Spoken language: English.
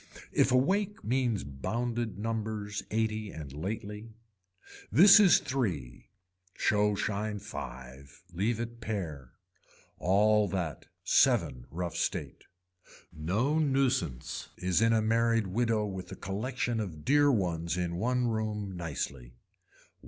If a wake means bounded numbers eighty and lately. This is three, show shine five, leave it pare. All that. Seven rough state. No nuisance is in a married widow with a collection of dear ones in one room nicely.